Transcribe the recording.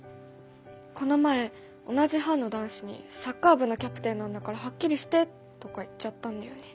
この前同じ班の男子に「サッカー部のキャプテンなんだからはっきりして」とか言っちゃったんだよね。